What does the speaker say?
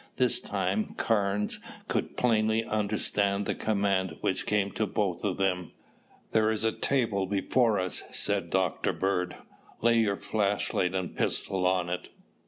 This time Carnes could plainly understand the command which came to both of them. "There is a table before us," said Dr. Bird. "Lay your flashlight and pistol on it."